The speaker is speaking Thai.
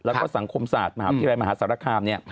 แล้วก็สังคมศาสตร์มหาวิทยาลัยมหาสารคาม